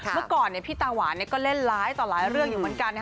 เมื่อก่อนพี่ตาหวานก็เล่นร้ายต่อหลายเรื่องอยู่เหมือนกัน